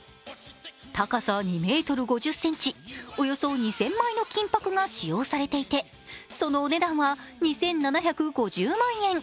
高さ２ｍ５０ｃｍ、およそ２０００枚の金ぱくが使用されていてそのお値段は２７５０万円。